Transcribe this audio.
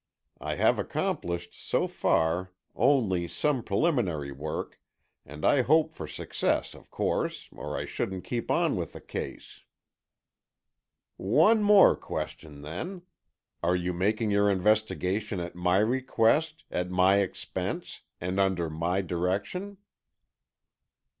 I have accomplished so far only some preliminary work, and I hope for success, of course, or I shouldn't keep on with the case." "One more question, then. Are you making your investigation at my request, at my expense, and under my direction?"